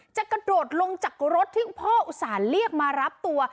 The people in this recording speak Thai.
กระโดดลงจากรถที่พ่ออุตส่าห์เรียกมารับตัว